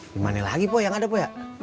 dimana lagi yang ada pok ya